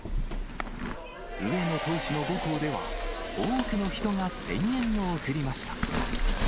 上野投手の母校では、多くの人が声援を送りました。